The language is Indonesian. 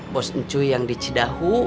bos ncuy yang di cidahu